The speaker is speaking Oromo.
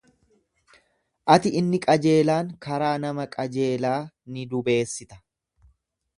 Ati inni qajeelaan karaa nama qajeelaa ni dubeessita.